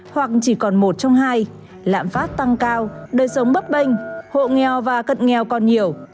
hoặc chỉ còn một trong hai lạm phát tăng cao đời sống bấp bênh hộ nghèo và cận nghèo còn nhiều